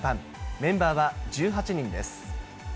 メンバーは１８人です。